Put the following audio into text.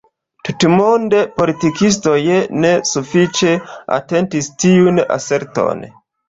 Tutmonde politikistoj ne sufiĉe atentis tiun aserton.